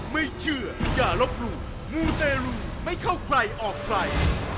ไม่เชื่ออย่าลบหลู่มูเตรลูไม่เข้าใครออกใคร